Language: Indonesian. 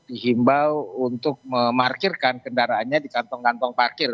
dihimbau untuk memarkirkan kendaraannya di kantong kantong parkir